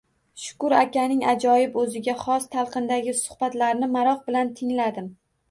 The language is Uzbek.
Shukur akaning ajoyib, o’ziga xos talqindagi suhbatlarini maroq bilan tingladim.